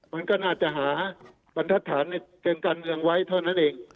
มันก็ไงจะหาบันทัศนเกินกันเงินไว้เท่านั้นเอง